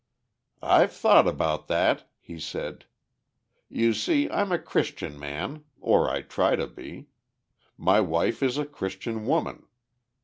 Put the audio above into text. "I've thought about that," he said. "You see, I'm a Christian man, or I try to be. My wife is a Christian woman.